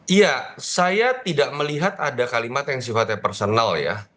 iya saya tidak melihat ada kalimat yang sifatnya personal ya